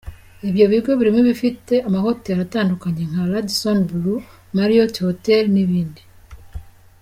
Ibyo bigo birimo ibifite amahoteli atandukanye nka Radisson Blu, Marriot hotels n’ibindi.